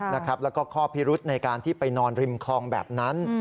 แล้วก็ข้อพิรุธในการที่ไปนอนริมคลองแบบนั้น